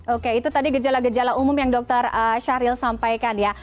oke itu tadi gejala gejala umum yang dokter syahril sampaikan ya